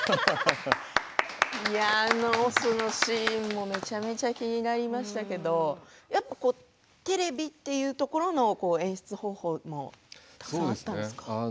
あの押忍のシーンもめちゃめちゃ気になりましたけどやっぱテレビっていうところの演出方法もたくさんあったんですか？